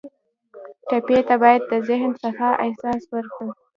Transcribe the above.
ټپي ته باید د ذهن صفا احساس ورکړو.